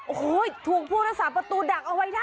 โอ้โฮถูกฟุตศาสตร์ประตูดักเอาไว้ได้